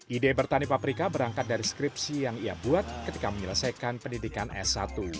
ide bertani paprika berangkat dari skripsi yang ia buat ketika menyelesaikan pendidikan s satu